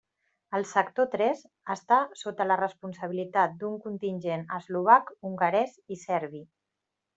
El Sector Tres està sota la responsabilitat d'un contingent eslovac, hongarès i serbi.